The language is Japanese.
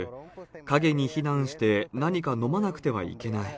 陰に避難して、何か飲まなくてはいけない。